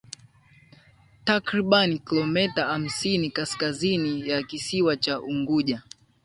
Takriban kilomita hamsini kaskazini ya kisiwa cha Unguja